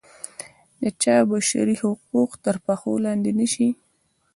د چا بشري حقوق تر پښو لاندې نه شي.